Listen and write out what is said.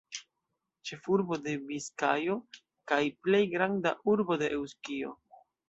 Ĉefurbo de Biskajo kaj plej granda urbo de Eŭskio.